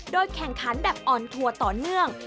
แข่งขันแบบออนทัวร์ต่อเนื่อง